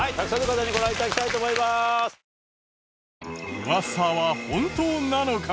ウワサは本当なのか？